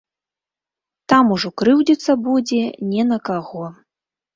Там ужо крыўдзіцца будзе не на каго.